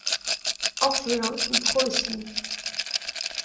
Orphelin, il croit aux signes.